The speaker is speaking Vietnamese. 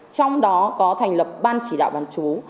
trong đó có thành lập ban chỉ đạo bán chú